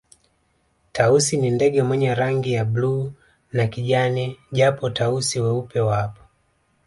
Tausi ni ndege mwenye rangi ya bluu na kijani japo Tausi weupe wapo